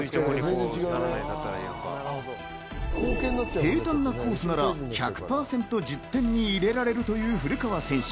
平たんなコースなら１００％、１０点に入れられるという古川選手。